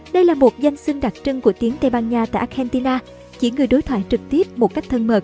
đây là một danh sưng đặc trưng của tiếng tây ban nha tại argentina chỉ người đối thoại trực tiếp một cách thân mật